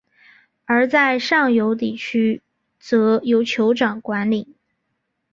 而在上游地区则由酋长管领。